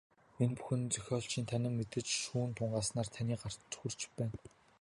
Энэ бүхэн зохиолчийн танин мэдэж, шүүн тунгааснаар таны гарт хүрч байна.